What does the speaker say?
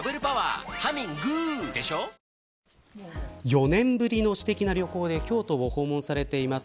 ４年ぶりの私的な旅行で京都を訪問されています